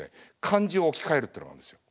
漢字を置き換えるってのがあるんですよ。